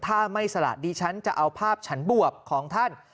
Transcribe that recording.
ถ้าไม่สละดิฉันจะเอาภาพฉันบวบของท่าน